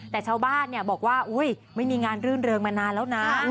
แต่ชาวบ้านบอกว่าไม่มีงานรื่นเริงมานานแล้วนะ